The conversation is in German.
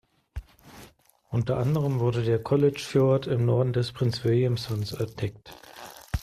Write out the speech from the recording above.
Unter anderem wurde der College-Fjord im Norden des Prinz-William-Sunds entdeckt.